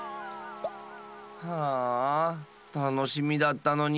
ああたのしみだったのに！